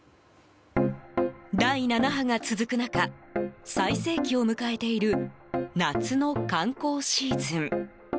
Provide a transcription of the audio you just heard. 第７波が続く中最盛期を迎えている夏の観光シーズン。